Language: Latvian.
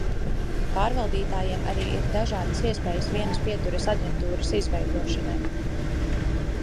Pārvaldītājiem arī ir dažādas iespējas vienas pieturas aģentūras izveidošanai.